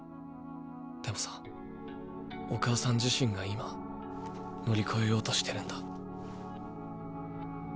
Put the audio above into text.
でもさお母さん自身が今乗り越えようとしてるんだ。